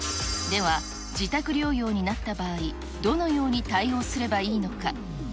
では自宅療養になった場合、どのように対応すればいいのか。